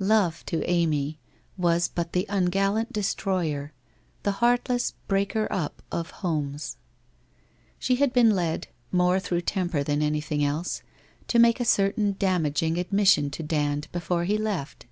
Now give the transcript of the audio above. Love, to Amy, was but the ungallant destroyer, the heartless breaker up of homes. She had been led, more through temper than anything else, to make a certain damaging admission to Dand before he left.